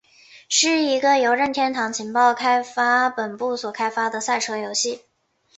是一个由任天堂情报开发本部所开发的赛车游戏。